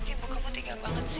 ibu kamu tega banget sih